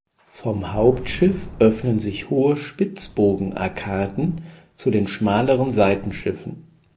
Vom Hauptschiff öffnen sich hohe Spitzbogenarkaden zu den schmaleren Seitenschiffen.